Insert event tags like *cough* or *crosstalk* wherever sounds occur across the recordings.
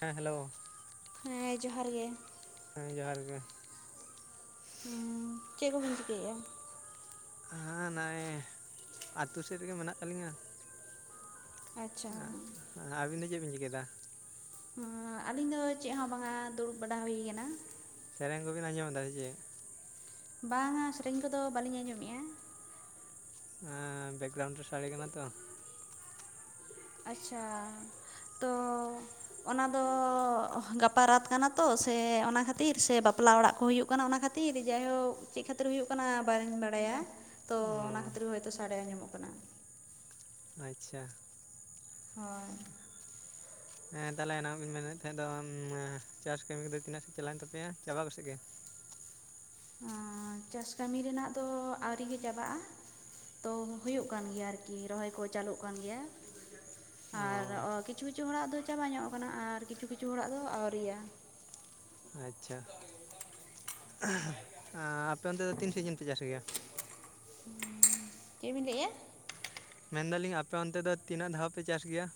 ᱦᱮᱸ ᱦᱮᱞᱳ ᱦᱮᱸ ᱡᱚᱦᱟᱨ ᱜᱮ᱾ ᱦᱮᱸ ᱡᱚᱦᱟᱨ ᱜᱮ᱾ ᱦᱸ ᱪᱮᱜ ᱠᱚᱵᱤᱱ ᱪᱤᱠᱟᱹᱭᱮᱜᱼᱟ? ᱦᱮᱸ ᱱᱟᱭ ᱟᱛᱳ ᱥᱮᱜ ᱨᱮᱜᱮ ᱢᱮᱱᱟᱜ ᱠᱟᱜ ᱞᱤᱧᱟ᱾ ᱟᱪᱪᱷᱟ ᱟᱸ ᱟᱹᱵᱤᱱ ᱫᱚ ᱪᱮᱜ ᱵᱤᱱ ᱪᱤᱠᱟᱹᱭᱫᱟ? ᱟᱸ ᱟᱹᱞᱤᱧ ᱫᱚ ᱪᱮᱜ ᱦᱚᱸ ᱵᱟᱝᱟ, ᱫᱩᱲᱩᱵ ᱵᱟᱲᱟ ᱦᱩᱭ ᱠᱟᱱᱟ ᱾ ᱥᱮᱨᱮᱧ ᱠᱚᱵᱤᱱ ᱟᱧᱡᱚᱢ ᱫᱟ ᱥᱮᱪᱮᱜ? ᱵᱟᱝᱟ ᱥᱮᱨᱮᱧ ᱠᱚᱫᱚ ᱵᱟᱹᱞᱤᱧ ᱟᱸᱡᱚᱢᱮᱜᱼᱟ᱾ ᱮᱸ ᱵᱮᱠᱜᱨᱟᱣᱩᱱᱰ ᱨᱮ ᱥᱟᱲᱮ ᱠᱟᱱᱟ ᱛᱚ᱾ ᱟᱪᱪᱷᱟ ᱛᱚ ᱚᱱᱟ ᱫᱚ ᱜᱟᱯᱟ ᱨᱟᱛ ᱠᱟᱱᱟ ᱛᱚ ᱥᱮ ᱚᱱᱟ ᱠᱷᱟᱹᱛᱤᱨ ᱥᱮ ᱵᱟᱯᱞᱟ ᱚᱲᱟᱜ ᱠᱚ ᱦᱩᱭᱩᱜ ᱠᱟᱱᱟ ᱚᱱᱟ ᱠᱷᱟᱹᱛᱤᱨ ᱡᱟᱭᱦᱳᱠ ᱪᱮᱜ ᱠᱷᱟᱹᱛᱤᱨ ᱦᱩᱭᱩᱜ ᱠᱟᱱᱟ ᱵᱟᱝ ᱤᱧ ᱵᱟᱲᱟᱭᱟ᱾ ᱛᱚ ᱚ ᱚᱱᱟ ᱠᱷᱟᱹᱛᱤᱨ ᱜᱮ ᱦᱳᱭᱛᱳ ᱥᱟᱰᱮ ᱟᱸᱡᱚᱢᱚᱜ ᱠᱟᱱᱟ᱾ ᱟᱪᱪᱷᱟ᱾ ᱦᱳᱭ᱾ ᱦᱮᱸ ᱛᱟᱦᱞᱮ ᱚᱱᱟ ᱠᱚ ᱵᱮᱱ ᱢᱮᱱᱮᱫ ᱛᱟᱦᱮᱸ ᱫᱚ ᱪᱟᱥ ᱠᱟᱹᱢᱤ ᱠᱚᱫᱚ ᱛᱤᱱᱟᱹᱜ ᱥᱮᱫ ᱪᱟᱞᱟᱣᱮᱱ ᱛᱟᱯᱮᱭᱟ ᱪᱟᱵᱟ ᱠᱚᱥᱮᱜ ᱜᱮ? ᱦᱚᱸ, ᱪᱟᱥ ᱠᱟᱹᱢᱤ ᱨᱮᱱᱟᱜ ᱫᱚ ᱟᱹᱣᱨᱤᱜ ᱜᱮ ᱪᱟᱵᱟᱜ-ᱟ? ᱛᱚ, ᱦᱩᱭᱩᱜ ᱠᱟᱱ ᱜᱮᱭᱟ ᱟᱨᱠᱤ ᱨᱚᱦᱚᱭ ᱠᱚ ᱪᱟᱹᱞᱩᱜ ᱠᱟᱱ ᱜᱮᱭᱟ᱾ ᱚ ᱟᱨ ᱠᱤᱪᱷᱩ ᱠᱤᱪᱷᱩ ᱦᱚᱲᱟᱜ ᱫᱚ ᱪᱟᱵᱟ ᱧᱚᱜ ᱠᱟᱱᱟ ᱟᱨ ᱠᱤᱪᱷᱩ ᱠᱤᱪᱷᱩ ᱦᱚᱲᱟᱜ ᱫᱚ ᱟᱹᱣᱨᱤᱭᱟ᱾ ᱟᱪᱪᱷᱟ, ᱟᱻ ᱟᱯᱮ ᱚᱱᱛᱮ ᱫᱚ ᱛᱤᱱ ᱥᱤᱡᱤᱱ ᱯᱮ ᱪᱟᱥ ᱜᱮᱭᱟ? ᱦᱩᱸ, ᱪᱮᱜᱵᱤᱱ ᱞᱟᱹᱭᱮᱜ-ᱟ? ᱢᱮᱱᱫᱟᱞᱤᱧ ᱟᱯᱮ ᱚᱱᱛᱮ ᱫᱚ ᱛᱤᱱᱟᱹᱜ ᱫᱷᱟᱣ ᱯᱮ ᱪᱟᱥ ᱜᱮᱭᱟ?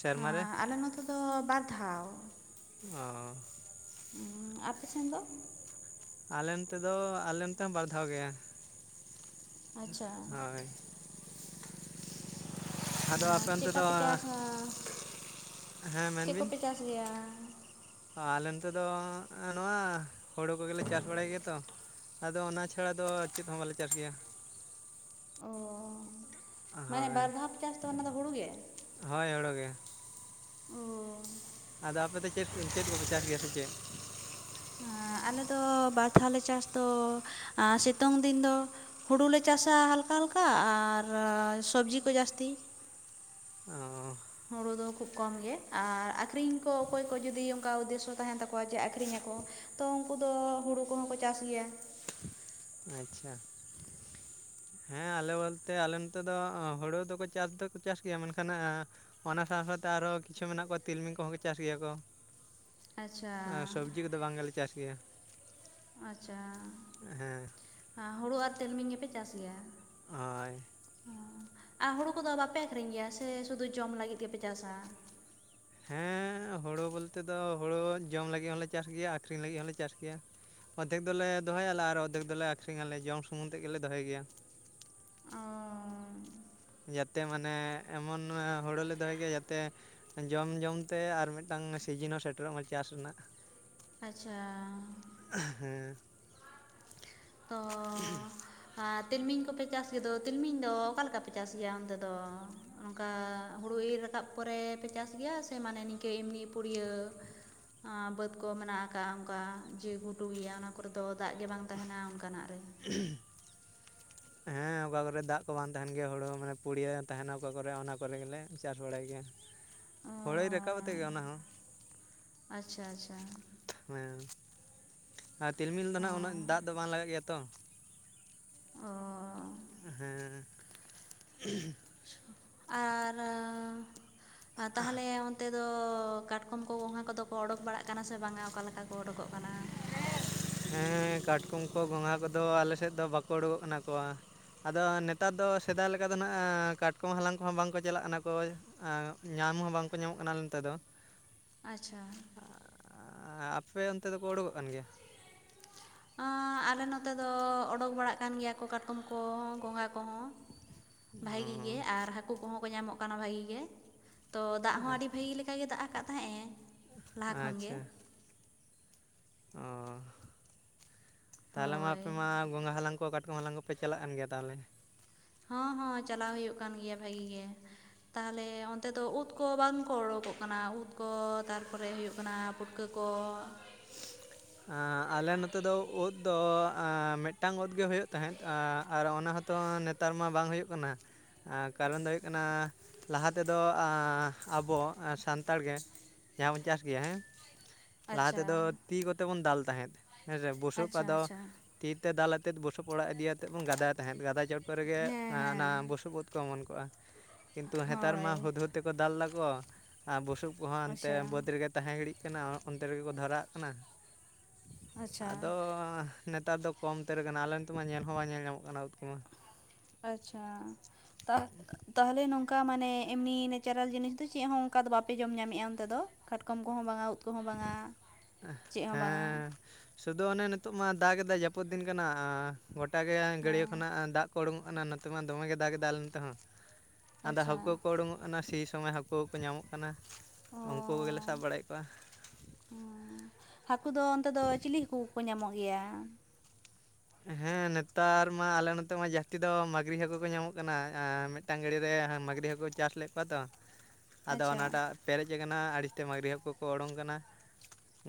ᱥᱮᱨᱢᱟ ᱨᱮ ᱟᱸᱻ ᱟᱞᱮ ᱱᱚᱛᱮ ᱫᱚ ᱵᱟᱨ ᱫᱷᱟᱣ᱾ ᱚ᱾ ᱩᱸᱻ ᱟᱯᱮ ᱥᱮᱱ ᱫᱚ? ᱟᱞᱮ ᱱᱚᱛᱮ ᱫᱚ, ᱟᱞᱮ ᱱᱚᱛᱮ ᱦᱚᱸ ᱵᱟᱨ ᱫᱷᱟᱣ ᱜᱮ ᱟᱪᱪᱷᱟ ᱦᱳᱭ᱾ ᱚ, ᱟᱫᱚ ᱟᱯᱮ ᱚᱱᱛᱮ ᱫᱚ ᱪᱮᱫᱠᱟᱯᱮ ᱪᱟᱥᱟ, ᱦᱮᱸ ᱪᱮᱫ ᱠᱚᱯᱮ ᱪᱟᱥ ᱜᱮᱭᱟ? ᱟ, ᱟᱞᱮ ᱱᱚᱛᱮ ᱫᱚ ᱱᱚᱣᱟ ᱦᱩᱲᱩ ᱠᱚᱜᱮᱞᱮ ᱪᱟᱥ ᱵᱟᱲᱟᱭ ᱜᱮᱭᱟ ᱛᱚ᱾ ᱟᱫᱚ ᱚᱱᱟ ᱪᱷᱟᱲᱟ ᱫᱚ ᱪᱮᱫ ᱦᱚᱸ ᱵᱟᱞᱮ ᱪᱟᱥ ᱜᱮᱭᱟ᱾ ᱚ, ᱢᱟᱱᱮ ᱦᱳᱭ ᱵᱟᱨ ᱫᱷᱟᱣ ᱯᱮ ᱪᱟᱥ ᱛᱟᱦᱮᱸᱫ ᱚᱱᱟ ᱫᱚ ᱦᱩᱲᱩ ᱜᱮ? ᱦᱳᱭ, ᱦᱩᱲᱩ ᱜᱮ᱾ ᱳᱻ᱾ ᱟᱫᱚ ᱟᱯᱮ ᱫᱚ ᱪᱮᱫ, ᱪᱮᱫ ᱠᱚᱯᱮ ᱪᱟᱥ ᱜᱮᱭᱟ ᱥᱮ ᱪᱮᱫ? ᱟᱸᱻ ᱟᱞᱮ ᱫᱚ ᱵᱟᱨ ᱫᱷᱟᱣ ᱞᱮ ᱪᱟᱥ ᱛᱚ ᱟᱸ ᱥᱮᱛᱩᱝ ᱫᱤᱱ ᱫᱚ ᱦᱩᱲᱩ ᱞᱮ ᱪᱟᱥᱟ ᱦᱟᱞᱠᱟ ᱦᱟᱞᱠᱟ ᱟᱨ ᱥᱚᱵᱽᱡᱤ ᱠᱚ ᱡᱟᱥᱛᱤ᱾ ᱚᱻ᱾ ᱦᱳᱲᱩ ᱫᱚ ᱠᱷᱩᱵ ᱠᱚᱢ ᱜᱮ ᱟᱨ ᱟᱠᱷᱨᱤᱧ ᱠᱚ ᱚᱠᱚᱭ ᱠᱚ ᱡᱩᱫᱤ ᱚᱱᱠᱟ ᱩᱫᱽᱫᱮᱥᱥᱚ ᱛᱟᱦᱮᱱ ᱛᱟᱠᱚᱣᱟ ᱡᱮ ᱟᱠᱷᱨᱤᱧᱟ ᱠᱚ᱾ ᱛᱚ ᱩᱱᱠᱩ ᱫᱚ ᱦᱩᱲᱩ ᱠᱚᱦᱚᱸ ᱠᱚ ᱪᱟᱥ ᱜᱮᱭᱟ᱾ ᱟᱪᱪᱷᱟ᱾ ᱦᱮᱸ ᱟᱞᱮ ᱵᱚᱞᱛᱮ ᱟᱞᱮ ᱱᱚᱛᱮ ᱫᱚ ᱚᱸ ᱦᱩᱲᱩ ᱫᱚᱠᱚ ᱪᱟᱥ ᱫᱚᱠᱚ ᱪᱟᱥ ᱜᱮᱭᱟ ᱢᱮᱱᱠᱷᱟᱱ ᱟᱻ ᱚᱱᱟ ᱥᱟᱶ ᱥᱟᱶᱛᱮ ᱟᱨᱦᱚᱸ ᱠᱤᱪᱷᱩ ᱢᱮᱱᱟᱜ ᱠᱚᱣᱟ ᱛᱤᱞᱢᱤᱧ ᱠᱚᱦᱚᱸ ᱠᱚ ᱪᱟᱥ ᱜᱮᱭᱟ ᱠᱚ᱾ ᱟᱪᱪᱷᱟ ᱟᱨ ᱥᱚᱵᱽᱡᱤ ᱠᱚᱫᱚ ᱵᱟᱝ ᱜᱮᱞᱮ ᱪᱟᱥ ᱜᱮᱭᱟ᱾ ᱟᱪᱪᱷᱟ᱾ ᱮ ᱦᱮᱸ᱾ ᱟᱸᱻ ᱦᱩᱲᱩ ᱟᱨ ᱛᱤᱞᱢᱤᱧ ᱜᱮᱯᱮ ᱪᱟᱥ ᱜᱮᱭᱟ? ᱦᱳᱭ᱾ ᱚ ᱟᱨ ᱦᱩᱲᱩ ᱠᱚᱫᱚ ᱵᱟᱯᱮ ᱟᱠᱷᱨᱤᱧ ᱜᱮᱭᱟ ᱥᱮ ᱥᱩᱫᱩ ᱡᱚᱢ ᱞᱟᱜᱤᱫ ᱜᱮᱯᱮ ᱪᱟᱥᱟ? ᱦᱮᱸ ᱦᱩᱲᱩ ᱵᱚᱞᱛᱮ ᱫᱚ ᱦᱩᱲᱩ ᱡᱚᱢ ᱞᱟᱹᱜᱤᱜ ᱦᱚᱸᱞᱮ ᱪᱟᱥ ᱜᱮᱭᱟ, ᱟᱹᱠᱷᱨᱤᱧ ᱞᱟᱹᱜᱤᱜ ᱦᱚᱸᱞᱮ ᱪᱟᱥ ᱜᱮᱭᱟ᱾ ᱚᱫᱽᱫᱷᱮᱠ ᱫᱚᱞᱮ ᱫᱚᱦᱚᱭᱟᱞᱮ ᱟᱨ ᱚᱫᱽᱫᱷᱮᱠ ᱫᱚᱞᱮ ᱟᱠᱷᱨᱤᱧᱟᱞᱮ, ᱡᱚᱢ ᱥᱩᱢᱩᱝ ᱛᱮᱜ ᱜᱮᱞᱮ‌ ᱫᱚᱦᱚᱭ ᱜᱮᱭᱟ᱾ ᱚ ᱡᱟᱛᱮ ᱢᱟᱱᱮ ᱮᱢᱚᱱ ᱚᱻ ᱦᱩᱲᱩ ᱞᱮ ᱫᱚᱦᱚᱭ ᱜᱮᱭᱟ ᱡᱟᱛᱮ ᱡᱚᱢ ᱡᱚᱢ ᱛᱮ ᱟᱨ ᱢᱤᱫᱴᱟᱝ ᱥᱤᱡᱤᱱ ᱦᱚᱸ ᱥᱮᱴᱮᱨᱚᱜ ᱢᱟ ᱪᱟᱥ ᱨᱮᱱᱟᱜ᱾ ᱟᱪᱪᱷᱟᱻ᱾ ᱦᱮᱸ᱾ *inaudible* ᱟᱻ ᱛᱤᱞᱢᱤᱧ ᱠᱚᱯᱮ ᱪᱟᱥ ᱜᱮ ᱫᱚ ᱛᱤᱞᱢᱤᱧ ᱫᱚ ᱚᱠᱟ ᱞᱮᱠᱟ ᱯᱮ ᱪᱟᱥ ᱜᱮᱭᱟ ᱚᱱᱛᱮ ᱫᱚ? ᱱᱚᱜ-ᱚ ᱱᱝᱠᱟ ᱦᱩᱲᱩ ᱤᱨ ᱨᱟᱠᱟᱵ ᱯᱚᱨᱮ ᱯᱮ ᱪᱟᱥ ᱜᱮᱭᱟ ᱥᱮ ᱢᱟᱱᱮ ᱱᱤᱝᱠᱟᱹ ᱮᱢᱱᱤ ᱯᱩᱲᱭᱟᱹ ᱟᱸᱻ ᱵᱟᱹᱛ ᱠᱚ ᱢᱮᱱᱟᱜ ᱟᱠᱟᱜ-ᱟ ᱚᱝᱠᱟ ᱡᱮ ᱜᱷᱩᱴᱩ ᱜᱮᱭᱟ ᱚᱱᱟ ᱠᱚᱨᱮ ᱫᱚ ᱫᱟᱜ ᱜᱮ ᱵᱟᱝ ᱛᱟᱸᱦᱮᱱᱟ ᱚᱱ ᱠᱟᱱᱟᱜ ᱨᱮ? *unintelligible* ᱦᱮᱸ *inaudible* ᱚᱠᱟ ᱠᱚᱨᱮ ᱫᱟᱜ ᱠᱚ ᱵᱟᱝ ᱛᱟᱦᱮᱱ ᱜᱮᱭᱟ ᱦᱩᱲᱩ ᱦᱚᱸ ᱢᱟᱱᱮ ᱯᱩᱲᱤᱭᱟᱹ ᱛᱟᱦᱮᱱᱟ ᱚᱠᱟ ᱠᱚᱨᱮ ᱚᱱᱟ ᱠᱚᱨᱮ ᱜᱮᱞᱮ ᱪᱟᱥ ᱵᱟᱲᱟᱭ ᱜᱮᱭᱟ᱾ ᱚ ᱦᱩᱲᱚᱭ ᱨᱟᱠᱟᱵᱽ ᱛᱮᱜᱮ ᱚᱱᱟ ᱦᱚᱸ᱾ ᱟᱪᱪᱷᱟ ᱟᱪᱪᱷᱟ᱾ ᱦᱮᱸ, ᱟᱨ ᱛᱤᱞᱢᱤᱞ ᱫᱚ ᱚ ᱱᱷᱟᱸᱜ ᱩᱱᱟᱹᱜ ᱫᱟᱜ ᱫᱚ ᱵᱟᱝ ᱞᱟᱜᱟᱜ ᱜᱮᱭᱟ ᱛᱚ? ᱚᱻ᱾ ᱦᱮᱸᱻ *unintelligible* ᱟᱨᱻ ᱨᱟ ᱛᱟᱦᱮᱞᱮ ᱚᱱᱼᱼ ᱠᱟ ᱛᱮᱫᱚ ᱠᱟᱴᱠᱚᱢ ᱠᱚ ᱜᱚᱝᱜᱷᱟ ᱠᱚᱫᱚ ᱠᱚ ᱚᱰᱚᱠ ᱵᱟᱲᱟᱜ ᱠᱟᱱᱟ ᱥᱮ ᱵᱟᱝᱼᱟ ᱚᱠᱟ ᱞᱮᱠᱟ ᱠᱚ ᱚᱰᱚᱠᱚᱜ ᱠᱟᱱᱟ? ᱦᱮᱸ *unintelligible* ᱦᱮᱸ, ᱠᱟᱴᱠᱚᱢ ᱠᱚ ᱜᱚᱸᱜᱷᱟ ᱠᱚᱫᱚ ᱟᱞᱮ ᱥᱮᱫ ᱫᱚ ᱵᱟᱠᱚ ᱩᱰᱚᱠᱚᱜ ᱠᱟᱱᱟ ᱠᱚᱶᱟ᱾ ᱟᱫᱚ ᱱᱮᱛᱟᱨ ᱫᱚ ᱥᱮᱫᱟᱭ ᱞᱮᱠᱟ ᱫᱚ ᱱᱷᱟᱸᱜ ᱮᱻ ᱠᱟᱴᱠᱚᱢ ᱦᱟᱞᱟᱝ ᱠᱚᱦᱚᱸ ᱵᱟᱝᱠᱚ ᱪᱟᱞᱟᱜ ᱠᱟᱱᱟ ᱠᱚᱭ, ᱟᱸᱻᱝᱜ, ᱧᱟᱢ ᱦᱚᱸ ᱵᱟᱝᱠᱚ ᱧᱟᱢᱚᱜ ᱠᱟᱱᱟ ᱟᱞᱮ ᱱᱚᱛᱮ ᱫᱚ᱾ ᱟᱪᱪᱷᱟ᱾ ᱟᱸᱻᱟᱸ ᱟᱯᱮ ᱚᱱᱛᱮ ᱫᱚᱠᱚ ᱚᱰᱚᱠᱚᱜ ᱠᱟᱱ ᱜᱮᱭᱟ? ᱟᱻ ᱟᱞᱮ ᱱᱚᱛᱮ ᱫᱚ ᱚᱰᱚᱠ ᱵᱟᱲᱟᱜ ᱠᱟᱱ ᱜᱮᱭᱟ ᱠᱚ ᱠᱟᱴᱠᱚᱢ ᱠᱚ ᱜᱚᱝᱜᱷᱟ ᱠᱚᱦᱚᱸ᱾ ᱵᱷᱟᱜᱤ ᱜᱮ ᱟᱨ ᱦᱟᱠᱩ ᱠᱚᱦᱚᱸ ᱠᱚ ᱧᱟᱢᱚᱜ ᱠᱟᱱᱟ ᱵᱷᱟᱜᱤ ᱜᱮ, ᱛᱚ ᱫᱟᱜ ᱚ ᱦᱚᱸ ᱟᱹᱰᱤ ᱵᱷᱟᱹᱜᱤ ᱞᱮᱠᱟ ᱜᱮ ᱫᱟᱜ ᱟᱠᱟᱜ ᱛᱟᱦᱮᱸᱜ ᱮ ᱞᱟᱦᱟ ᱠᱷᱚᱱ ᱜᱮ᱾ ᱚᱻ, ᱛᱟᱦᱮᱞᱮ ᱢᱟ ᱦᱳᱭ ᱟᱯᱮ ᱢᱟᱼᱼ ᱜᱚᱝᱜᱷᱟ ᱦᱟᱞᱟᱝ ᱠᱚ ᱠᱟᱴᱠᱚᱢ ᱦᱟᱞᱟᱝ ᱠᱚᱯᱮ ᱪᱟᱞᱟᱜ ᱠᱟᱱ ᱜᱮᱭᱟ ᱛᱟᱦᱚᱞᱮ? ᱦᱚᱸ ᱦᱚᱸ ᱪᱟᱞᱟᱣ ᱦᱩᱭᱩᱜ ᱠᱟᱱ ᱜᱮᱭᱟ ᱵᱷᱟᱹᱜᱤ ᱜᱮ᱾ ᱛᱟᱦᱮᱞᱮ ᱚᱱᱛᱮ ᱫᱚ ᱩᱫ ᱠᱚ ᱵᱟᱝᱠᱚ ᱚᱰᱳᱠᱚᱜ ᱠᱟᱱᱟ, ᱩᱫ ᱠᱚ ᱛᱟᱨᱯᱚᱨᱮ ᱦᱩᱭᱩᱜ ᱠᱟᱱᱟ ᱯᱩᱴ- ᱠᱟᱹ ᱠᱚ? ᱟᱸ ᱟᱞᱮ ᱱᱚᱛᱮ ᱫᱚ ᱩᱫ ᱫᱚ ᱟᱸ ᱢᱤᱫᱴᱟᱝ ᱩᱫ ᱜᱮ ᱦᱩᱭᱩᱜ ᱛᱟᱦᱮᱸᱫ ᱟᱨ ᱚᱱᱟ ᱦᱛᱚ ᱱᱮᱛ- ᱛᱟᱨ ᱢᱟ ᱵᱟᱝ ᱦᱩᱭᱩᱜ ᱠᱟᱱᱟ᱾ ᱟᱸᱻ ᱠᱟᱨᱚᱱ ᱫᱚ ᱦᱩᱭᱩᱜ ᱠᱟᱱᱟ ᱞᱟᱦᱟ ᱛᱮᱫᱚ ᱟᱸᱻᱟᱵᱚ ᱥᱟᱱᱛᱟᱲ ᱜᱮ ᱡᱟᱦᱟᱸ ᱵᱚᱱ ᱪᱟᱥ ᱜᱮᱭᱟ ᱦᱮᱸ, ᱞᱟᱦᱟ ᱟᱪᱪᱷᱟ ᱛᱮᱫᱚ ᱛᱤ ᱠᱚᱛᱮ ᱵᱚᱱ ᱫᱟᱞ ᱛᱟᱦᱮᱸᱫ ᱦᱮᱸᱥᱮ, ᱵᱩᱥᱩᱵ ᱟᱪᱪᱷᱟ ᱟᱫᱚ- ᱟᱪᱪᱷᱟ ᱛᱤ ᱛᱮ ᱫᱟᱞ ᱟᱛᱮᱫ ᱵᱩᱥᱩᱵ ᱚᱲᱟᱜ ᱤᱫᱤᱭᱟᱛᱮᱫ ᱵᱚᱱ ᱜᱟᱫᱟᱭ ᱛᱟᱦᱮᱸᱫ, ᱜᱟᱫᱟᱭ ᱪᱚᱴ ᱠᱚᱨᱮ ᱜᱮ ᱦᱮᱸ ᱦᱮᱸ ᱚᱱᱟ ᱵᱩᱥᱩᱯ ᱩᱫ ᱩᱫ ᱠᱚ ᱚᱢᱚᱱ ᱠᱚᱜᱼᱟ, ᱠᱤᱱᱛᱩ ᱦᱮᱸᱛᱟᱨ ᱢᱟ ᱦᱳᱭ ᱦᱩᱫ ᱦᱩᱫ ᱛᱮᱠᱚ ᱫᱟᱞ ᱮᱫᱟ ᱠᱚ ᱟᱨ ᱵᱩᱥᱩᱵ ᱠᱚᱦᱚᱸ ᱚᱱᱛᱮ ᱟᱪᱪᱷᱟ ᱵᱟᱹᱫᱽ ᱨᱮᱜᱮ ᱛᱟᱦᱮᱸ ᱜᱤᱲᱤᱜ ᱠᱟᱱᱟ, ᱚᱱᱛᱮ ᱨᱮᱜᱮ ᱠᱚ ᱫᱷᱚᱨᱟᱣᱟᱜ ᱠᱟᱱᱟ, ᱟᱪᱪᱷᱟ ᱟᱫᱚᱻ ᱱᱮᱛᱟᱨ ᱫᱚ ᱠᱚᱢ ᱩᱛᱟᱹᱨ ᱠᱟᱱᱟ, ᱟᱞᱮ ᱱᱚᱛᱮ ᱢᱟ ᱧᱮᱞ ᱦᱚᱸ ᱵᱟᱝ ᱧᱮᱞ ᱧᱟᱢᱚᱜ ᱠᱟᱱᱟ ᱩᱫ ᱠᱚᱢᱟ᱾ ᱟᱪᱪᱷᱟ, ᱛᱟᱦ- ᱛᱟᱦᱚᱞᱮ ᱱᱚᱝᱠᱟ ᱢᱟᱱᱮ ᱮᱢᱱᱤ ᱱᱮᱪᱟᱨᱟᱞ ᱡᱤᱱᱤᱥ ᱫᱚ ᱪᱮᱫ ᱦᱚᱸ ᱚᱸᱠᱟ ᱫᱚ ᱵᱟᱯᱮ ᱡᱚᱢ ᱧᱟᱢᱮᱫᱼᱟ ᱚᱱᱛᱮ ᱫᱚ, ᱠᱟᱴᱠᱚᱢ ᱠᱚᱦᱚᱸ ᱵᱟᱝᱼᱟ, ᱩᱫ ᱠᱚᱦᱚᱸ ᱵᱟᱝᱼᱟ, ᱪᱮᱫ ᱦᱚᱸ ᱵᱟᱝᱼᱟ, ᱥᱩᱫᱩ ᱚᱱᱮ ᱱᱤᱛᱚᱜ ᱢᱟ ᱫᱟᱜ ᱜᱮᱫᱟᱭ ᱡᱟᱹᱯᱩᱫ ᱫᱤᱱ ᱠᱟᱱᱟ ᱟᱸ ᱜᱚᱴᱟ ᱜᱮ ᱚ ᱜᱟᱹᱲᱭᱟᱹ ᱠᱷᱚᱱᱟᱜ ᱫᱟᱜ ᱠᱚ ᱩᱰᱩᱝᱼᱚᱸᱜ ᱠᱟᱱᱟ ᱱᱚᱛᱮ ᱢᱟ ᱫᱚᱢᱮ ᱜᱮ ᱫᱟᱜᱽ ᱜᱮᱫᱟᱭ ᱟᱞᱮ ᱱᱚᱛᱮ ᱦᱚᱸ, ᱟᱫᱚ ᱟᱪᱪᱷᱟ ᱦᱟᱹᱠᱩ ᱠᱚ ᱩᱰᱩᱝᱼᱚᱜ ᱠᱟᱱᱟ ᱥᱤ ᱥᱚᱢᱚᱭ ᱦᱟᱹᱠ- ᱠᱩ ᱠᱚ ᱧᱟᱢᱚᱜ ᱠᱟᱱᱟ, ᱩᱸᱠᱩ ᱜᱮᱞᱮ ᱥᱟᱵ ᱵᱟᱲᱟᱭᱮᱫ ᱠᱚᱣᱟ᱾ ᱩᱸᱻ, ᱦᱟᱹᱠᱩ ᱫᱚ ᱚᱸᱛᱮ ᱫᱚ ᱪᱤᱞᱤ ᱦᱟᱹᱠᱩ ᱠᱚᱠᱚ ᱧᱟᱸᱢᱚᱜ ᱜᱮᱭᱟ? ᱦᱮᱸ ᱱᱮᱛᱟᱨ ᱢᱟ ᱟᱞᱮ ᱱᱚᱛᱮ ᱢᱟ ᱡᱟᱹᱥᱛᱤ ᱫᱚ ᱢᱟᱹᱜᱽᱨᱤ ᱦᱟᱹᱠᱩ ᱠᱚ ᱧᱟᱸᱢᱚᱜ ᱠᱟᱱᱟ, ᱮᱸ ᱢᱤᱫ ᱴᱟᱝ ᱜᱟᱲᱤᱭᱟᱹ ᱦᱮᱸ ᱢᱟᱹᱜᱽᱨᱤ ᱦᱟᱹᱠᱩᱭ ᱪᱟᱥ ᱞᱮᱫ ᱠᱚᱣᱟ ᱛᱚ, *inaudible* ᱟᱫᱚ ᱚᱱᱟ ᱴᱟᱜ ᱯᱮᱨᱮᱡ ᱟᱠᱟᱱᱟ ᱟᱹᱲᱤᱥ ᱛᱮ ᱢᱟᱹᱜᱽᱨᱤ ᱦᱟᱹᱠᱩ ᱠᱚ ᱚᱰᱚᱝ ᱠᱟᱱᱟ,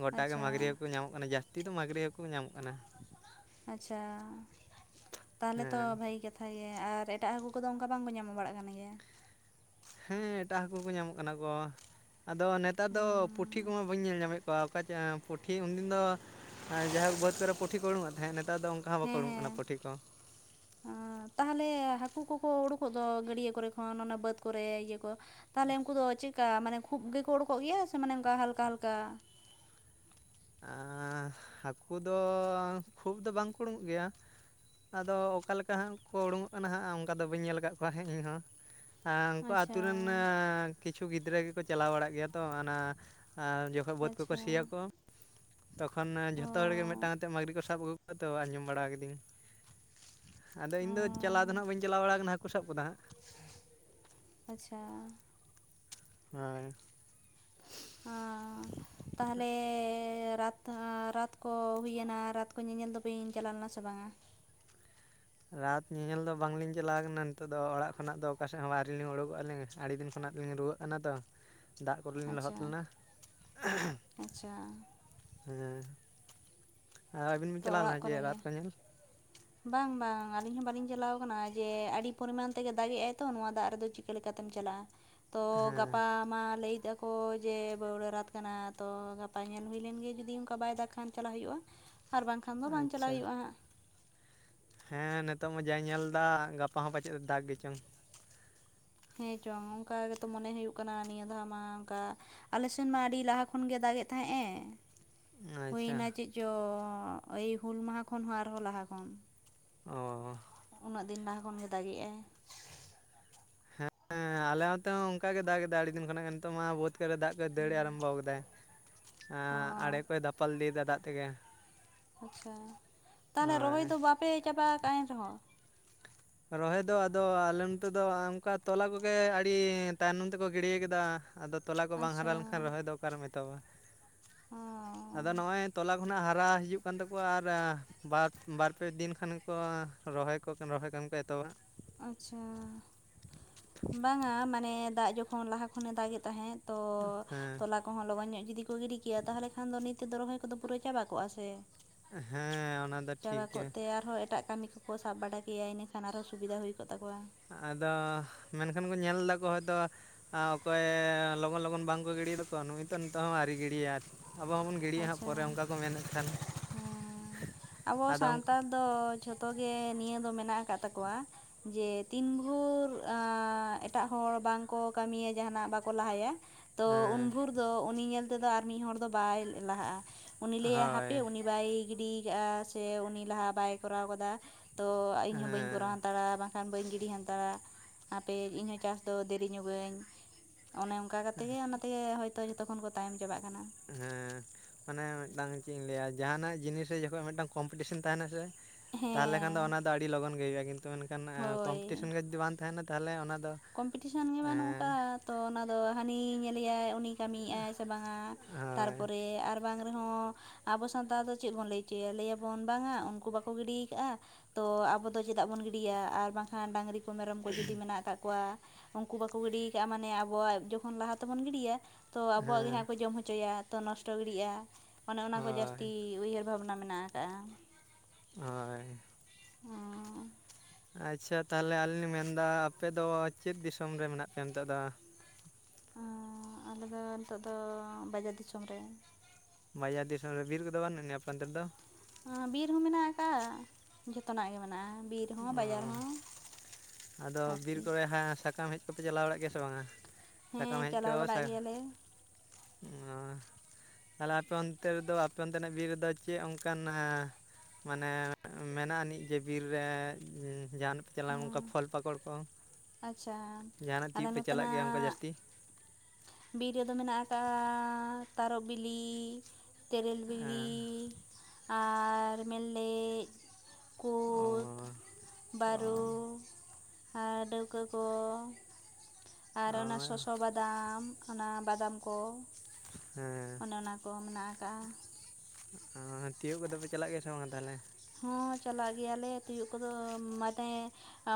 ᱜᱚᱴᱟ ᱜᱮ ᱟᱪᱪᱷᱟ ᱢᱟᱹᱜᱽᱨᱤ ᱦᱟᱹᱠᱩ ᱠᱚ ᱧᱟᱢᱚᱜ ᱠᱟᱱᱟ, ᱡᱟᱹᱥᱛᱤ ᱫᱚ ᱢᱟᱹᱜᱽᱨᱤ ᱦᱟᱹᱠᱩ ᱠᱚ ᱧᱟᱢᱚᱜ ᱠᱟᱱᱟ᱾ ᱟᱪᱪᱷᱟ ᱛᱟᱦᱚᱞᱮ ᱛᱚ ᱦᱮᱸ ᱵᱷᱟᱹᱜᱤ ᱜᱮᱛ ᱠᱟᱛᱷᱟ ᱜᱮ ᱟᱨ ᱮᱴᱟᱜ ᱦᱟᱹᱠᱩ ᱠᱚᱫᱚ ᱚᱱᱠᱟ ᱵᱟᱝᱠᱚ ᱧᱟᱢᱚᱜ ᱵᱟᱲᱟᱜ ᱠᱟᱱ ᱜᱮᱭᱟ᱾ ᱦᱮᱸ ᱮᱴᱟᱜ ᱦᱟᱹᱠᱩ ᱠᱚ ᱧᱟᱸᱢᱚᱜ ᱠᱟᱱᱟ ᱠᱚ ᱟᱫᱚ ᱱᱮᱛᱟᱨ ᱫᱚ ᱯᱩᱴᱷᱤ ᱦᱩᱸ, ᱠᱚᱢᱟ ᱵᱟᱹᱧ ᱧᱮᱞ ᱧᱟᱢᱮᱫ ᱚᱠᱟ ᱪ ᱯᱩᱴᱷᱤ ᱩᱱᱫᱤᱸᱱ ᱫᱚ ᱡᱟᱦᱩᱠ ᱵᱟᱹᱫᱽ ᱠᱚᱨᱮ ᱯᱩᱴᱷᱤ ᱠᱚ ᱩᱰᱩᱠᱚᱜ ᱛᱟᱦᱮᱸᱫ ᱱᱮᱛᱟᱨ ᱫᱚ ᱚ ᱵᱟᱠᱚ ᱩᱲᱩᱜᱳᱜ ᱠᱟᱱᱟ ᱯᱩᱴᱷᱤ ᱠᱚ ᱦᱚ ᱛᱟᱦᱚᱞᱮ ᱦᱟᱹᱠᱩ ᱠᱚᱠᱚ ᱩᱰᱩᱠᱚᱜ ᱫᱚ ᱜᱟᱹᱰᱭᱟᱹ ᱠᱚᱨᱮ ᱠᱷᱚᱱ ᱚᱱᱟ ᱵᱟᱹᱫᱽ ᱠᱚᱨᱮ ᱤᱭᱟᱹ ᱠᱚ ᱛᱟᱦᱞᱮ ᱩᱱᱠᱩ ᱫᱚ ᱪᱮᱫᱠᱟ ᱢᱟᱱᱮ ᱠᱷᱩᱵ ᱜᱮᱠᱚ ᱩᱰᱩᱠᱚᱜ ᱜᱮᱭᱟ ᱥᱮ ᱢᱟᱱᱮ ᱚᱱᱠᱟ ᱦᱟᱞᱠᱟ ᱦᱟᱞᱠᱟ ᱟᱸᱻᱦᱟᱹᱠᱩ ᱫᱚ ᱠᱷᱩᱵ ᱫᱚ ᱵᱟᱝ ᱠᱚ ᱩᱲᱩᱝᱳᱜ ᱜᱮᱭᱟ᱾ ᱟᱫᱚ ᱚᱠᱟ ᱞᱮᱠᱟ ᱦᱟᱸᱜ ᱠᱚ ᱩᱰᱩᱝᱚᱜ ᱠᱟᱱᱟ ᱦᱟᱸᱜ ᱚᱱᱠᱟᱫᱚ ᱵᱟᱹᱧ ᱧᱮᱞ ᱟᱠᱟᱫ ᱠᱚᱣᱟ ᱦᱟᱜ ᱤᱧ ᱫᱚ ᱾ ᱩᱱᱠᱩ ᱟᱹᱛᱩ ᱟᱪᱪᱷᱟ ᱨᱮᱱ ᱠᱤᱪᱷᱩ ᱜᱤᱫᱽᱨᱟᱹ ᱜᱮᱠᱚ ᱪᱟᱞᱟᱣ ᱵᱟᱲᱟᱜ ᱜᱮᱭᱟ ᱛᱚ ᱚᱱᱟ ᱵᱟᱹᱫᱽ ᱠᱚᱠᱚ ᱟᱪᱪᱷᱟ ᱥᱤᱭᱟ ᱠᱚ ᱛᱚᱠᱷᱚᱸᱱ ᱡᱷᱚᱛᱚ ᱦᱚᱲ ᱜᱮ ᱚ ᱢᱤᱫᱴᱟᱝ ᱟᱛᱮᱜ ᱢᱟᱹᱜᱽᱨᱤ ᱠᱚ ᱥᱟᱵ ᱟᱹᱜᱩ ᱠᱚᱣᱟ ᱛᱚ ᱟᱸᱡᱚᱢ ᱵᱟᱲᱟ ᱠᱤᱫᱟᱹᱧ᱾ ᱟᱫᱚ ᱚ ᱤᱧᱫᱚ ᱪᱟᱞᱟᱣ ᱫᱚ ᱦᱟᱸᱜ ᱵᱟᱹᱧ ᱪᱟᱞᱟᱣ ᱵᱟᱲ ᱠᱟᱱᱟ ᱦᱟᱹᱠᱩ ᱥᱟᱵ ᱠᱚᱫᱚ ᱦᱟᱸᱜ ᱟᱪᱪᱷᱟ ᱦᱳᱭ ᱦᱚᱸᱻ ᱛᱟᱦᱞᱮ ᱨᱟᱛ ᱨᱟᱛ ᱠᱚ ᱦᱩᱭᱱᱟ ᱨᱟᱛ ᱠᱚ ᱧᱮᱸᱧᱮᱞ ᱫᱚ ᱵᱤᱧ ᱪᱟᱞᱟᱣ ᱞᱮᱱᱟ ᱥᱮ ᱵᱟᱝᱟ᱾ ᱨᱟᱛ ᱧᱮᱧᱮᱞ ᱫᱚ ᱵᱟᱝᱞᱤᱧ ᱪᱟᱞᱟᱣ ᱠᱟᱱᱟ ᱱᱤᱛᱚᱜ ᱫᱚ ᱚᱲᱟᱜ ᱠᱷᱚᱱᱟᱜ ᱫᱚ ᱚᱠᱟ ᱥᱮᱫ ᱦᱚᱸ ᱟᱹᱨᱤ ᱞᱤᱧ ᱩᱰᱩᱠᱚᱜ ᱟᱹᱞᱤᱧ ᱟᱹᱰᱤ ᱫᱤᱱ ᱠᱷᱚᱱᱟᱜ ᱞᱤᱧ ᱨᱩᱣᱟᱹᱜ ᱚᱱᱟ ᱫᱚ ᱫᱟᱜ ᱠᱚᱨᱮ ᱞᱤᱸᱧ ᱞᱚᱦᱚᱫ ᱟᱪᱪᱷᱟ ᱞᱮᱱᱟ᱾ ᱟᱪᱪᱷᱟ ᱦᱩᱸ ᱛᱚ ᱚᱲᱟᱜ ᱠᱚᱨᱮ ᱜᱮ ᱠᱚ ᱧᱮᱞ ᱵᱟᱝ ᱵᱟᱝ ᱟᱹᱞᱤᱧ ᱦᱚᱸ ᱵᱟᱞᱤᱧ ᱪᱟᱞᱟᱣ ᱟᱠᱟᱱᱟ ᱡᱮ ᱟᱹᱰᱤ ᱯᱚᱨᱤᱢᱟᱱ ᱛᱮ ᱜᱮ ᱫᱟᱜ ᱮ ᱟᱭ ᱛᱚ ᱱᱚᱣᱟ ᱫᱟᱜ ᱨᱮᱫᱚ ᱪᱮᱫ ᱪᱤᱠᱟᱹ ᱞᱮ ᱠᱟᱛᱮᱢ ᱪᱟᱞᱟᱜᱼᱟ ᱛᱚ ᱦᱮᱸ ᱜᱟᱯᱟ ᱢᱟ ᱞᱟᱹᱭᱮᱫᱟᱠᱚ ᱡᱮ ᱵᱟᱹᱣᱲᱟᱹ ᱨᱟᱛ ᱠᱟᱱᱟ ᱛᱚ ᱜᱟᱯᱟ ᱧᱮᱞ ᱦᱩᱭᱞᱮᱱ ᱜᱮ ᱡᱩᱫᱤ ᱚᱱᱠᱟ ᱵᱟᱭ ᱫᱟᱜ ᱠᱷᱟᱱ ᱪᱟᱞᱟᱣ ᱦᱩᱭᱩᱜᱼᱟ ᱟᱨ ᱵᱟᱝᱠᱷᱟᱱ ᱫᱚ ᱵᱟᱝ ᱪᱟᱞᱟᱣ ᱟᱪᱪᱷᱟ ᱦᱩᱭᱩᱜᱼᱟ ᱦᱟᱜ ᱦᱮᱸ ᱱᱤᱛᱚᱜ ᱢᱟ ᱡᱟ ᱧᱮᱞ ᱫᱟ ᱜᱟᱯᱟ ᱦᱚᱸ ᱯᱟᱪᱮᱫ ᱮ ᱫᱟᱜ ᱜᱮᱪᱚᱝ ᱦᱮᱸ ᱪᱚᱝ ᱚᱱᱠᱟ ᱜᱮᱛᱚ ᱢᱚᱱᱮ ᱦᱩᱭᱩᱜ ᱠᱟᱱᱟ ᱱᱤᱭᱟᱹ ᱫᱷᱟᱣ ᱢᱟ ᱚᱱᱠᱟ ᱟᱞᱮ ᱥᱮᱱ ᱢᱟ ᱟᱹᱰᱤ ᱞᱟᱦᱟ ᱠᱷᱚᱱᱜᱮ ᱫᱟᱜ ᱮᱫ ᱛᱟᱦᱮᱸᱜ ᱮ ᱟᱪᱪᱷᱟ ᱦᱩᱭᱱᱟ ᱪᱮᱫ ᱪᱚ ᱮᱭ ᱦᱩᱞ ᱢᱟᱦᱟ ᱠᱷᱚᱱ ᱦᱚᱸ ᱟᱨᱦᱚᱸ ᱞᱟᱦᱟ ᱠᱷᱚᱱ ᱚ ᱩᱱᱟᱹᱜ ᱫᱤᱱ ᱞᱟᱦᱟ ᱠᱷᱚᱱ ᱜᱮ ᱫᱟᱜᱮᱜᱼᱟᱭ᱾ ᱦᱮᱸ ᱟᱞᱮ ᱚᱱᱛᱮ ᱦᱚᱸ ᱚᱱᱠᱟ ᱜᱮ ᱫᱟᱜ ᱮᱟ ᱟᱹᱰᱤ ᱫᱤᱱ ᱠᱷᱚᱱᱟᱜ ᱜᱮ ᱱᱤᱛᱚᱜ ᱢᱟ ᱵᱟᱹᱫ ᱡᱤᱛ ᱠᱚᱨᱮ ᱫᱟᱜ ᱠᱚ ᱫᱟᱹᱲ ᱟᱨᱚᱵᱷᱚ ᱟᱠᱟᱫᱟᱭ ᱟᱸᱻ ᱚ ᱟᱲᱮ ᱠᱚᱭ ᱫᱟᱯᱟᱞ ᱤᱫᱤ ᱫᱟ ᱫᱟᱜ ᱛᱮᱜᱮ᱾ ᱟᱪᱪᱷᱟ ᱛᱟᱦᱞᱮ ᱨᱚᱦᱚᱭ ᱦᱳᱭ ᱫᱚ ᱵᱟᱯᱮ ᱪᱟᱵᱟ ᱟᱠᱟᱫ-ᱟ ᱮᱱ ᱨᱮᱦᱚᱸ ᱨᱚᱦᱚᱭ ᱫᱚ ᱟᱫᱚ ᱟᱞᱮ ᱱᱚᱛᱮ ᱫᱚ ᱚᱱᱠᱟ ᱛᱚᱞᱟ ᱠᱚᱜᱮ ᱟᱹᱰᱤ ᱛᱟᱭᱱᱚᱢ ᱛᱮᱠᱚ ᱜᱤᱲᱤᱭᱟ ᱠᱮᱫᱟ᱾ ᱟᱫᱚ ᱛᱚᱞᱟ ᱠᱚ ᱵᱟᱝ ᱦᱟᱨᱟ ᱟᱪᱪᱷᱟ ᱞᱮᱱᱠᱷᱟᱱ ᱨᱚᱦᱚᱭ ᱫᱚ ᱚᱠᱟᱨᱮᱢ ᱮᱛᱚᱦᱚᱵᱟ ᱦ ᱟᱫᱚ ᱱᱚᱜᱼᱚᱸᱚᱭ ᱛᱚᱞᱟ ᱠᱷᱚᱱᱟᱜ ᱦᱟᱨᱟ ᱦᱤᱡᱩᱜ ᱠᱟᱱ ᱛᱟᱠᱚᱣᱟ ᱟᱨ ᱵᱟᱨ ᱵᱟᱨ ᱯᱮ ᱫᱤᱱ ᱠᱷᱟᱱ ᱜᱮ ᱠᱚ ᱨᱚᱦᱚᱭ ᱠᱚ ᱨᱚᱦᱚᱭ ᱠᱟᱱ ᱠᱚ ᱮᱛᱚᱦᱚᱵᱟ ᱟᱪᱪᱷᱟ ᱵᱟᱝᱟ ᱢᱟᱱᱮ ᱫᱟᱜ ᱡᱚᱠᱷᱚᱱ ᱞᱟᱦᱟ ᱠᱷᱚᱱᱮ ᱫᱟᱜ ᱮ ᱛᱟᱦᱮᱸᱫ ᱛᱚ ᱦᱮᱸ ᱛᱚᱞᱟ ᱠᱚᱦᱚᱸ ᱞᱚᱜᱚᱱ ᱧᱚᱜ ᱡᱩᱫᱤ ᱠᱚ ᱜᱤᱰᱤ ᱠᱮᱭᱟ ᱛᱟᱦᱚᱞᱮ ᱠᱷᱟᱱ ᱫᱚ ᱱᱤᱛᱚᱜ ᱛᱮᱫᱚ ᱨᱚᱦᱚᱭ ᱠᱚᱫᱚ ᱯᱩᱨᱟᱹ ᱪᱟᱵᱟ ᱠᱚᱜᱼᱟ ᱥᱮ ᱦᱮᱸ ᱚᱱᱟ ᱫᱚ ᱪᱟᱵᱟ ᱴᱷᱤᱠ ᱜᱮᱭᱟ ᱠᱚᱜᱛᱮ ᱟᱨᱦᱚᱸ ᱮᱴᱟᱜ ᱠᱟᱹᱢᱤ ᱠᱚᱠᱚ ᱥᱟᱵ ᱵᱟᱲᱟ ᱠᱮᱭᱟ ᱤᱱᱟᱹᱠᱷᱟᱱ ᱟᱨᱦᱚᱸ ᱥᱩᱵᱤᱫᱟ ᱦᱩᱭ ᱠᱚᱜ ᱛᱟᱠᱚᱣᱟ᱾ ᱟᱫᱚ ᱢᱮᱱᱠᱷᱟᱱ ᱠᱚ ᱧᱮᱞ ᱫᱟᱠᱚ ᱦᱚᱭ ᱛᱳ ᱟᱸᱻ ᱚᱠᱚᱭ ᱞᱚᱜᱚᱱ ᱞᱚᱜᱚᱱ ᱵᱟᱝᱠᱚ ᱜᱤᱲᱤᱭᱟᱮᱫᱟᱠᱚ, ᱱᱩᱭ ᱛᱚ ᱱᱤᱛᱚᱜ ᱦᱚᱸ ᱟᱹᱣᱨᱤ ᱜᱤᱲᱤᱭᱟ ᱟᱨ ᱟᱵᱚ ᱦᱚᱸᱵᱚᱱ ᱜᱤᱰᱤᱭᱟ ᱦᱟᱸᱜ ᱟᱪᱪᱷᱟ, ᱯᱚᱨᱮ ᱚᱱᱠᱟ ᱠᱚ ᱢᱮᱱᱮᱫ ᱠᱷᱟᱱ ᱦᱮᱸ ᱟᱵᱚ ᱟᱫᱚ ᱥᱟᱱᱛᱟᱲ ᱫᱚ ᱡᱷᱚᱛᱚ ᱜᱮ ᱱᱤᱭᱟᱹ ᱫᱚ ᱢᱮᱱᱟᱜ ᱟᱠᱟᱫ ᱛᱟᱠᱚᱣᱟ᱾ ᱡᱮ ᱛᱤᱱ ᱵᱷᱳᱨ ᱟᱸᱻ ᱮᱴᱟᱜ ᱦᱚᱲ ᱵᱟᱝᱠᱚ ᱠᱟᱹᱢᱤᱭᱟ ᱡᱟᱦᱟᱱᱟᱜ ᱵᱟᱠᱚ ᱞᱟᱦᱟᱭᱟ ᱛᱚ, ᱩᱱ ᱦᱮᱸ ᱵᱷᱳᱨ ᱫᱚ ᱩᱱᱤ ᱧᱮᱞ ᱛᱮᱫᱚ ᱟᱨ ᱢᱤᱫ ᱦᱚᱲ ᱫᱚ ᱵᱟᱭ ᱞᱟᱦᱟᱜ-ᱟ ᱩᱱᱤ ᱞᱟᱹᱭᱟᱭ ᱦᱳᱭ ᱦᱟᱯᱮ ᱩᱱᱤ ᱵᱟᱭ ᱜᱤᱰᱤᱭ ᱠᱟᱜ-ᱟ ᱥᱮ ᱩᱱᱤ ᱞᱟᱦᱟ ᱵᱟᱭ ᱠᱚᱨᱟᱣ ᱠᱟᱫᱟ᱾ ᱛᱚ, ᱤᱧ ᱦᱚ ᱵᱟᱹᱧ ᱠᱚᱨᱟᱣ ᱦᱮᱸ ᱦᱟᱛᱟᱲᱟ ᱵᱟᱝ ᱠᱷᱟᱱ ᱵᱟᱹᱧ ᱜᱤᱰᱤ ᱦᱟᱱᱛᱟᱲᱟ ᱦᱟᱯᱮ ᱤᱧ ᱦᱚᱸ ᱪᱟᱥ ᱫᱚ ᱫᱮᱨᱤ ᱧᱚᱜᱟᱹᱧ ᱚᱱᱮ ᱠᱟ ᱠᱟᱛᱮᱜ ᱜᱮ ᱚᱱᱟ ᱛᱮᱜᱮ ᱦᱳᱭᱛᱚ ᱡᱚᱛᱚ ᱠᱷᱚᱱ ᱠᱚ ᱛᱟᱭᱚᱢ ᱪᱟᱵᱟᱜ ᱠᱟᱱᱟ᱾ ᱦᱮᱸ᱾ ᱢᱟᱱᱮ ᱢᱤᱫᱴᱟᱝ ᱪᱮᱫ ᱤᱧ ᱞᱟᱹᱭᱟ ᱡᱟᱦᱟᱱᱟᱜ ᱡᱤᱱᱤᱥ ᱨᱮ ᱡᱚᱠᱷᱚᱡ ᱢᱤᱫᱴᱟᱝ ᱠᱚᱢᱯᱤᱴᱤᱥᱮᱱ ᱛᱟᱸᱦᱮᱱᱟ ᱥᱮ ᱛᱟᱦᱞᱮ ᱠᱷᱟᱱ ᱫᱚ ᱦᱮᱸ ᱚᱱᱟ ᱫᱚ ᱟᱹᱰᱤ ᱞᱚᱜᱚᱱ ᱜᱮ ᱦᱩᱭᱩᱜ-ᱟ ᱠᱤᱱᱛᱩ ᱢᱮᱱᱠᱷᱟᱱ ᱦᱳᱭ ᱠᱚᱢᱯᱤᱴᱤᱥᱮᱱ ᱜᱮ ᱡᱩᱫᱤ ᱵᱟᱝ ᱛᱟᱸᱦᱮᱱᱟ ᱛᱟᱦᱞᱮ ᱚᱱᱟ ᱫᱚ ᱠᱚᱢᱯᱤᱴᱤᱥᱮᱱ ᱜᱮ ᱵᱟᱹᱱᱩᱜ ᱦᱮᱸ ᱟᱠᱟᱜ-ᱟ᱾ ᱛᱚ, ᱚᱱᱟ ᱫᱚ ᱦᱟᱹᱱᱤ ᱧᱮᱞᱮᱭᱟᱭ ᱩᱱᱤ ᱠᱟᱹᱢᱤᱭᱮᱜ-ᱟᱭ ᱥᱮ ᱵᱟᱝᱟ ᱦᱳᱭ ᱛᱟᱨᱯᱚᱨᱮ ᱟᱨ ᱵᱟᱝ ᱨᱮᱦᱚᱸ ᱟᱵᱚ ᱥᱟᱱᱛᱟᱲ ᱫᱚ ᱪᱮᱫ ᱵᱚᱱ ᱞᱟᱹᱭ ᱦᱚᱪᱚᱭᱟ, ᱞᱟᱹᱭᱟᱵᱚᱱ ᱵᱟᱝᱟ ᱩᱱᱠᱩ ᱵᱟᱠᱚ ᱜᱤᱰᱤᱭ ᱠᱟᱜ-ᱟ ᱛᱚ, ᱟᱵᱚ ᱫᱚ ᱪᱮᱫᱟᱜ ᱵᱚᱱ ᱜᱤᱰᱤᱭᱟ ᱟᱨ ᱵᱟᱝᱠᱷᱟᱱ ᱰᱟᱝᱨᱤ ᱠᱚ ᱠᱚ ᱢᱮᱨᱚᱢ ᱠᱚ ᱡᱩᱫᱤ ᱢᱮᱱᱟᱜ ᱠᱟᱜ ᱠᱚᱣᱟ ᱩᱱᱠᱩ ᱵᱟᱠᱚ ᱜᱤᱰᱤᱭ ᱠᱟᱜ-ᱟ ᱢᱟᱱᱮ ᱟᱵᱚᱣᱟᱜ ᱡᱚᱠᱷᱚᱱ ᱞᱟᱦᱟ ᱛᱮᱵᱚᱱ ᱜᱤᱰᱤᱭᱟ᱾ ᱛᱚ, ᱟᱵᱚᱣᱟᱜ ᱜᱮ ᱦᱮᱸ ᱡᱟᱦᱟᱸ ᱠᱚ ᱡᱚᱢ ᱦᱚᱪᱚᱭᱟ ᱛᱚ, ᱱᱚᱥᱴᱚ ᱜᱤᱲᱤᱜ-ᱟ᱾ ᱚᱱᱮ ᱚᱱᱟ ᱠᱚ ᱦᱳᱭ ᱡᱟᱹᱥᱛᱤ ᱩᱭᱦᱟᱹᱨ ᱵᱷᱟᱵᱽᱱᱟ ᱢᱮᱱᱟᱜ ᱟᱠᱟᱜ-ᱟ᱾ ᱦᱳᱭ᱾ ᱦᱩᱸ᱾ ᱟᱪᱪᱷᱟ ᱛᱟᱦᱞᱮ ᱟᱹᱞᱤᱧ ᱞᱤᱧ ᱢᱮᱱᱫᱟ ᱟᱯᱮᱫᱚ ᱪᱮᱫ ᱫᱤᱥᱚᱢ ᱨᱮ ᱢᱮᱱᱟᱜ ᱯᱮᱭᱟ ᱱᱤᱛᱚᱜ ᱫᱚ? ᱩᱸ, ᱟᱞᱮᱫᱚ ᱱᱤᱛᱚᱜ ᱫᱚ ᱵᱟᱡᱟᱨ ᱫᱤᱥᱚᱢ ᱨᱮ᱾ ᱵᱟᱡᱟᱨ ᱫᱤᱥᱚᱢ ᱨᱮ, ᱵᱤᱨ ᱠᱚᱫᱚ ᱵᱟᱱᱩᱜ-ᱟᱱᱤᱡ ᱟᱯᱮ ᱚᱱᱛᱮ ᱨᱮᱫᱚ? ᱦᱟᱸ, ᱵᱤᱨ ᱦᱚᱸ ᱢᱮᱱᱟᱜ ᱟᱠᱟᱫ ᱡᱚᱛᱚᱱᱟᱜ ᱜᱮ ᱢᱮᱱᱟᱜ-ᱟ ᱵᱤᱨ᱾ ᱦᱚᱸ ᱵᱟᱡᱟᱨ ᱦᱚᱸ ᱚ, ᱟᱫᱚ ᱵᱤᱨ ᱟᱨᱠᱤ ᱠᱚᱨᱮ ᱦᱟᱸᱜ ᱥᱟᱠᱟᱢ ᱦᱮᱡ ᱠᱚᱯᱮ ᱪᱟᱞᱟᱣ ᱵᱟᱲᱟᱜ ᱜᱮᱭᱟ ᱥᱮ ᱵᱟᱝᱟ? ᱥᱟᱠᱟᱢ ᱦᱮᱸ ᱦᱮᱡ ᱠᱚ, ᱪᱟᱞᱟᱣ *unintelligible* ᱚ᱾ ᱵᱟᱲᱟᱜ ᱜᱮᱭᱟᱞᱮ ᱛᱟᱞᱦᱮ ᱟᱯᱮ ᱚᱱᱛᱮ ᱨᱮᱫᱚ ᱟᱯᱮ ᱚᱱᱛᱮᱱᱟᱜ ᱵᱤᱨ ᱨᱮᱫᱚ ᱪᱮᱫ ᱚᱱᱠᱟᱱᱟᱦᱟ? ᱢᱟᱱᱮ ᱢᱮᱱᱟᱜ-ᱟᱹᱱᱤᱡ ᱡᱮ ᱵᱤᱨ ᱨᱮ ᱡᱟᱸᱦᱟᱱ ᱪᱟᱞᱟᱣ ᱚᱱᱠᱟ ᱦᱮᱸ ᱯᱷᱚᱞ ᱯᱟᱠᱚᱲ ᱠᱚ, ᱟᱪᱪᱷᱟ ᱡᱟᱸᱦᱟᱱᱟᱜ ᱟᱞᱮ ᱛᱤᱭᱳᱜ ᱯᱮ ᱪᱟᱞᱟᱜ ᱜᱮᱭᱟ ᱚᱝᱠᱟ ᱱᱚᱛᱮᱱᱟᱜ ᱡᱟᱹᱥᱛᱤ? ᱵᱤᱨ ᱨᱮᱫᱚ ᱢᱮᱱᱟᱜ ᱟᱠᱟᱜ-ᱟ ᱛᱟᱨᱚᱵᱽ ᱵᱤᱞᱤ, ᱛᱮᱹᱨᱮᱹᱞ ᱵᱤᱞᱤ ᱟᱨ ᱢᱮᱞᱞᱮᱡ, ᱚ ᱠᱩᱫᱽ, ᱚ ᱵᱟᱹᱨᱩ ᱟᱨ ᱰᱟᱹᱣᱠᱟᱹ ᱠᱚ᱾ ᱟᱨ ᱚ ᱚᱱᱟ ᱥᱚᱥᱚ ᱵᱟᱫᱟᱢ, ᱚᱱᱟ ᱵᱟᱫᱟᱢ ᱠᱚ᱾ ᱚᱱᱮ ᱚᱱᱟ ᱠᱚ ᱢᱮᱱᱟᱜ ᱟᱠᱟᱜ-ᱟ᱾ ᱟᱸ ᱛᱤᱭᱳᱜ ᱠᱚᱫᱚ ᱯᱮ ᱪᱟᱞᱟᱜ ᱜᱮᱭᱟ ᱥᱮ ᱵᱟᱝ ᱛᱟᱦᱞᱮ? ᱦᱚᱸ ᱪᱟᱞᱟᱜ ᱜᱮᱭᱟᱞᱮ ᱛᱤᱭᱳᱜ ᱠᱚᱫᱚ ᱢᱟᱱᱮ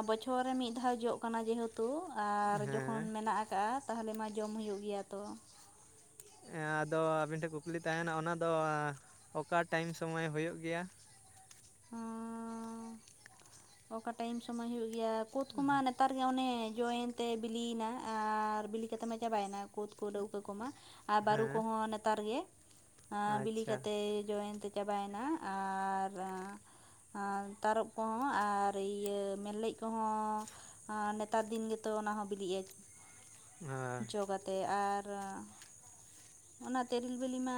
ᱵᱚᱪᱷᱚᱨ ᱨᱮ ᱢᱤᱫ ᱫᱷᱟᱣ ᱡᱚᱜ ᱠᱟᱱᱟ ᱡᱮᱦᱮ ᱛᱩ ᱟᱨ ᱡᱚᱠᱷᱚᱱ ᱦᱮᱸ ᱢᱮᱱᱟᱜ ᱟᱠᱟᱜ ᱛᱟᱦᱞᱮ ᱢᱟ ᱡᱚᱢ ᱦᱩᱭᱩᱜ ᱜᱮᱭᱟ ᱛᱚ᱾ ᱟᱫᱚ ᱟᱹᱵᱤᱱ ᱴᱷᱮᱱ ᱠᱩᱠᱞᱤ ᱛᱟᱦᱮᱱᱟ ᱚᱱᱟᱫᱚ ᱚᱠᱟ ᱴᱟᱭᱤᱢ ᱥᱚᱢᱚᱭ ᱦᱳᱭᱳᱜ ᱜᱮᱭᱟ? ᱦᱩᱸᱻ ᱚᱠᱟ ᱴᱟᱭᱤᱢ ᱥᱚᱢᱚᱭ ᱦᱩᱭᱩᱜ ᱜᱮᱭᱟ, ᱠᱩᱫ ᱠᱚᱢᱟ ᱱᱮᱛ ᱱᱮᱛᱟᱨ ᱜᱮ ᱚᱱᱮ ᱡᱚᱭᱮᱱ ᱛᱮ ᱵᱤᱞᱤᱭᱮᱱᱟ ᱟᱨ ᱵᱤᱞᱤ ᱠᱟᱛᱮ ᱢᱟ ᱪᱟᱵᱟᱭᱱᱟ ᱠᱩᱫᱽ ᱠᱚ ᱰᱟᱹᱣᱠᱟᱹ ᱠᱚᱢᱟ᱾ ᱟᱨ ᱵᱟᱹᱨᱩ ᱦᱮᱸ ᱠᱚᱦᱚᱸ ᱱᱮᱛᱟᱨ ᱜᱮ ᱵᱤᱞᱤ ᱟᱪᱪᱷᱟ ᱠᱟᱛᱮ ᱡᱚᱭᱮᱱ ᱛᱮ ᱪᱟᱵᱟᱭᱮᱱᱟ ᱟᱨ ᱛᱟᱨᱚᱵᱽ ᱠᱚᱦᱚᱸ᱾ ᱟᱨ ᱤᱭᱟᱹ ᱢᱮᱨᱞᱮᱡᱽ ᱠᱚᱦᱚᱸ ᱱᱮᱛᱟᱨ ᱫᱤᱱ ᱜᱮᱛᱚ ᱚᱱᱟ ᱦᱚᱸ ᱵᱤᱞᱤᱜ-ᱟ᱾ ᱦᱳᱭ ᱡᱚ ᱠᱟᱛᱮᱜ ᱟᱨ ᱚᱱᱟ ᱛᱮᱨᱮᱞ ᱵᱤᱞᱤ ᱢᱟ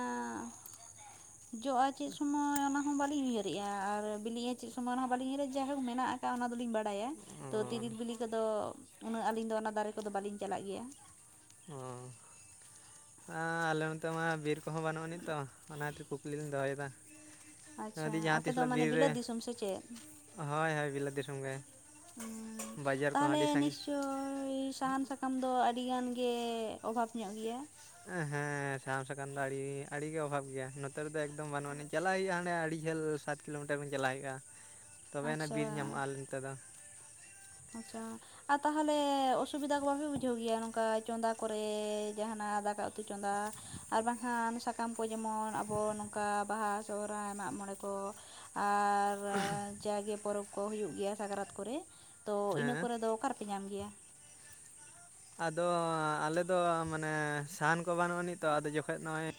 ᱡᱚᱜᱼᱟ ᱪᱮᱜ ᱥᱚᱢᱚᱭ ᱚᱱᱟ ᱦᱚᱸ ᱵᱟᱹᱞᱤᱧ ᱩᱭᱦᱟᱹ ᱟᱨ ᱵᱤᱞᱤᱜᱼᱟ ᱪᱮᱜ ᱥᱚᱢᱚᱭ ᱚᱱᱟ ᱵᱟᱹᱞᱤᱧ ᱩᱭᱦᱟᱹᱨᱟ ᱡᱟᱭᱦᱳᱠ ᱢᱮᱱᱟᱜ ᱠᱟᱜᱼᱟ ᱚᱱᱟ ᱫᱚᱞᱤᱧ ᱵᱟ ᱲᱟᱭᱟ ᱚ ᱛᱚ ᱛᱤᱨᱤᱞ ᱵᱤᱞᱤ ᱠᱚᱫᱚ ᱩᱱᱟᱹᱜ ᱟᱹᱞᱤᱧ ᱫᱚ ᱚᱱᱟ ᱫᱟᱨᱮ ᱠᱚᱫᱚ ᱵᱟᱞᱤᱧ ᱪᱟᱞᱟᱜ ᱜᱮᱭᱟ᱾ *inaudible* ᱟᱸ ᱟᱞᱮ ᱚᱱᱛᱮ ᱢᱟ ᱵᱤᱨ ᱠᱚᱦᱚᱸ ᱵᱟᱹᱱᱩᱜ ᱟᱹᱱᱤᱡ ᱛᱚ ᱚᱱᱟ ᱠᱷᱟᱹᱛᱤᱨ ᱠᱩᱠᱞᱤ ᱞᱤᱧ ᱫᱚᱦᱚᱭᱫᱟ᱾ ᱟᱪᱪᱷᱟ ᱡᱚᱫᱤ ᱡᱟᱦᱟᱸ ᱟᱯᱮ ᱛᱤᱥ ᱫᱚ ᱦᱤᱞᱳᱜ ᱢᱟᱱᱮ ᱵᱤᱨ ᱨᱮ ᱵᱤᱞᱟᱹᱛ ᱫᱤᱥᱚᱢ ᱥᱮ ᱪᱮᱫ ᱦᱳᱭ ᱦᱳᱭ ᱵᱤᱞᱟᱹᱛ ᱫᱤᱥᱚᱢ ᱜᱮ᱾ ᱩᱸ ᱵᱟᱡᱟᱨ ᱠᱚᱦᱚᱸ ᱛᱟᱦᱚᱞᱮ ᱟᱹᱰᱤ ᱥᱟᱺᱜᱤᱧ ᱱᱤᱥᱪᱳᱭ ᱥᱟᱦᱟᱱ ᱥᱟ ᱠᱟᱢ ᱫᱚ ᱟᱹᱰᱤ ᱜᱟᱱ ᱜᱮ ᱚᱵᱷᱟᱵᱽ ᱧᱚᱜ ᱜᱮᱭᱟ? ᱮᱸᱦᱮᱸ ᱦᱮᱸ ᱥᱟᱦᱟᱢ ᱥᱟᱠᱟᱢ ᱫᱚ ᱟᱹᱲᱤ ᱟᱹᱲᱤᱜᱮ ᱚᱵᱷᱟᱵᱽ ᱜᱮᱭᱟ ᱱᱚᱛᱮ ᱨᱮ ᱫᱚ ᱮᱠᱫᱚᱢ ᱵᱟᱹᱱᱩᱜ ᱟᱹᱱᱤᱡ ᱪᱟᱞᱟᱜ ᱦᱩᱭᱩᱜᱼᱟ ᱦᱟᱸᱰᱮ ᱟᱹᱲᱤ ᱡᱷᱟᱹᱞ ᱥᱟ ᱠᱤᱞᱳᱢᱤᱴᱟᱨ ᱵᱤᱱ ᱪᱟᱞᱟᱣ ᱦᱳᱭᱳᱜᱼᱟ ᱛᱚᱵᱮ ᱟᱱᱮᱜ ᱟᱪᱪᱷᱟ ᱵᱤᱨ ᱧᱟᱢᱚᱜᱼᱟ ᱟᱞᱮ ᱱᱚᱱᱛᱮ ᱫᱚ᱾ ᱟᱪᱪᱷᱟ ᱟ ᱛᱟᱦᱚᱞᱮ ᱚᱥᱩᱵᱤᱫᱷᱟ ᱠᱚ ᱵᱟᱯᱮ ᱵᱩᱡᱷᱟᱹᱣ ᱜᱮᱭᱟ? ᱱᱚᱝᱠᱟ ᱪᱚᱸᱫᱟ ᱠᱚᱨᱮ ᱡᱟᱦᱟᱱᱟᱜ ᱫᱟᱠᱟ ᱩᱛᱩ ᱪᱚᱸᱫᱟ ᱟᱨ ᱵᱟᱝᱠᱷᱟᱱ ᱥᱟᱠᱟᱢ ᱠᱚ ᱡᱮᱢᱚᱱ ᱟᱵᱚ ᱱᱚᱝᱠᱟ ᱵᱟᱦᱟ ᱥᱚᱦᱨᱟᱭ ᱢᱟᱜ ᱢᱚᱬᱮ ᱠᱚ᱾ ᱟᱨ ᱡᱟᱜᱮ ᱯᱚᱨᱚᱵᱽ ᱠᱚ ᱦᱩᱭᱩᱜ ᱜᱮᱭᱟ ᱥᱟᱠᱨᱟᱛ ᱠᱚᱨᱮ ᱛᱚ ᱤᱱᱟᱹ ᱦᱮᱸ ᱠᱚᱨᱮ ᱫᱚ ᱚᱠᱟᱨᱮ ᱯᱮ ᱧᱟᱢ ᱜᱮᱭᱟ? ᱟᱫᱚ ᱟᱞᱮᱫᱚ ᱢᱟᱱᱮ ᱥᱟᱦᱟᱱ ᱠᱚ ᱵᱟᱹᱱᱩᱜ ᱟᱹᱱᱤᱡ ᱛᱚ ᱟᱫᱚ ᱡᱚᱠᱷᱚᱡ ᱱᱚᱜᱼᱚᱭ